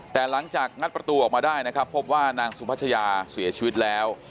แต่หลังจากงัดประตูออกมาได้นะครับพบว่านางสุพัชยาเสียชีวิตแล้ว